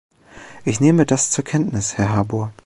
Ich nehme das zur Kenntnis, Herr Harbour.